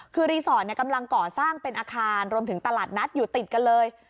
คือรีสอร์ทกำลังก่อสร้างเป็นอาคารรวมถึงตลาดนัดอยู่ติดกันเลย